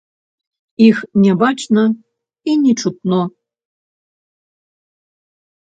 Іх не бачна і не чутно.